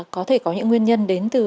có thể có những nguyên nhân đến từ